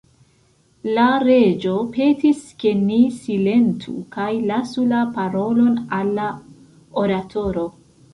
La Reĝo petis, ke ni silentu kaj lasu la parolon al la oratoro.